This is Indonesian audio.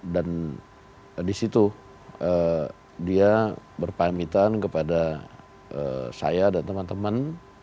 dan disitu dia berpamitan kepada saya dan teman teman